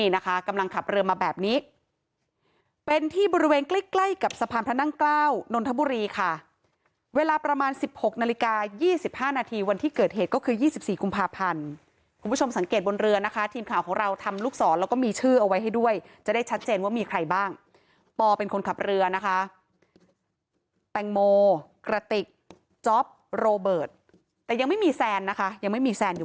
นั่งเกล้านนทบุรีค่ะเวลาประมาณสิบหกนาฬิกายี่สิบห้านาทีวันที่เกิดเหตุก็คือยี่สิบสี่กุมภาพันธ์คุณผู้ชมสังเกตบนเรือนะคะทีมข่าวของเราทำลูกศรแล้วก็มีชื่อเอาไว้ให้ด้วยจะได้ชัดเจนว่ามีใครบ้างปอเป็นคนขับเรือนะคะแตงโมกระติกจ๊อปโรเบิร์ตแต่ยังไม่มีแซนนะคะยังไม่มีแซนอยู่